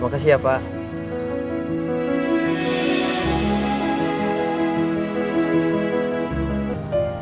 makasih ya pak